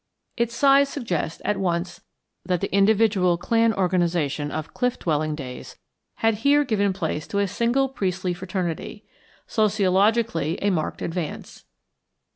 Its size suggests at once that the individual clan organization of cliff dwelling days had here given place to a single priestly fraternity, sociologically a marked advance.